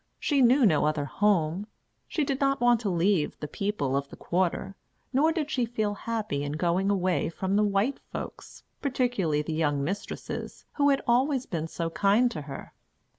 She knew no other home; she did not want to leave "the people" of the quarter; nor did she feel happy in going away from the "white folks," particularly the "young mistresses," who had always been so kind to her.